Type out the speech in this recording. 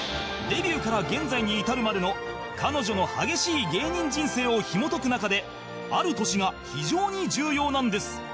デビューから現在に至るまでの彼女の激しい芸人人生をひもとく中である年が非常に重要なんです